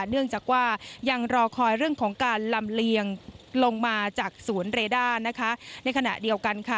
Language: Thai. เนื่องจากว่ายังรอคอยเรื่องของการลำเลียงลงมาจากสวนเรด้านะคะในขณะเดียวกันค่ะ